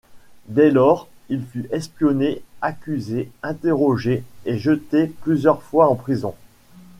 Dès lors il fut espionné, accusé, interrogé et jeté plusieurs fois en prison.